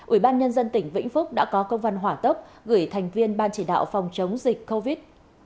ủy ban nhân dân tỉnh vĩnh phúc đã có công văn hỏa tốc gửi thành viên ban chỉ đạo phòng chống dịch covid một mươi chín